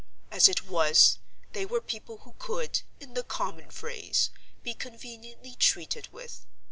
As it was, they were people who could (in the common phrase) be conveniently treated with.